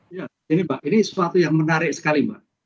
ya ini mbak ini sesuatu yang menarik sekali mbak